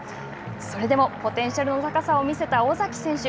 それでもポテンシャルの高さを見せた尾崎選手。